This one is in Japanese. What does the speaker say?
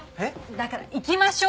だから行きましょう。